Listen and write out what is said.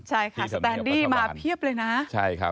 ใช่ค่ะแตนดี้มาเพียบเลยนะ